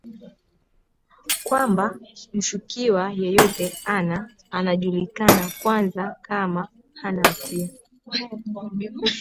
kwamba mshukiwa yeyote ana anajulikana kwanza kama hana hatia